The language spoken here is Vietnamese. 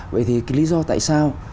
vậy thì cái lý do tại sao